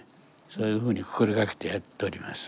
そういうふうに心掛けてやっております。